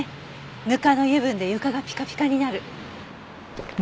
ぬかの油分で床がピカピカになる。